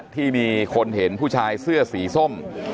ที่มีคนเห็นผู้ชายเสื้อสีส้ม